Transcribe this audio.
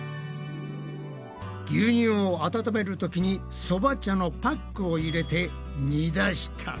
牛乳を温めるときにそば茶のパックを入れて煮出したな。